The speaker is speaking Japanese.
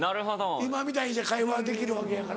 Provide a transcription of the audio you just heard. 今みたいにして会話できるわけやから。